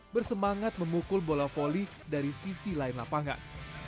bersemangat memukul bola voli dari sisi lain lapangan